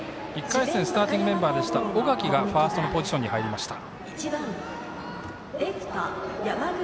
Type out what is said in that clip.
１回戦スターティングメンバーでした小垣がファーストのポジションに入りました。